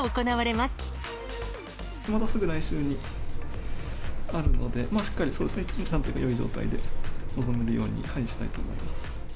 またすぐ来週にあるので、しっかり、なんとかよい状態で臨めるようにしたいと思います。